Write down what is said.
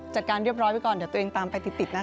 จัดการเรียบร้อยไปก่อนเดี๋ยวตัวเองตามไปติดนะคะ